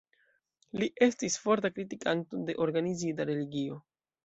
Li estis forta kritikanto de organizita religio.